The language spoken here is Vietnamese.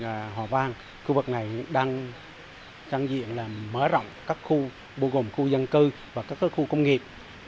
điện tài điện hòa vang đang trang diện mở rộng các khu bù gồm khu dân cư và các khu công nghiệp